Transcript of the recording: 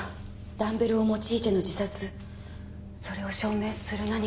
ダンベルを用いての自殺それを証明する何か。